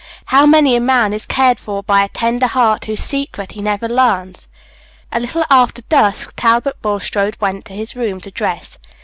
how many a man is cared for by a tender heart whose secret he never learns! A little after dusk, Talbot Bulstrode went to his room to dress.